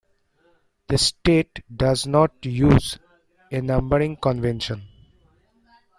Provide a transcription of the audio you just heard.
The state does not use a numbering convention.